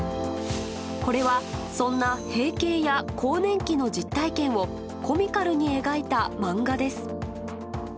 これは、そんな閉経や更年期の実体験を、コミカルに描いた漫画です。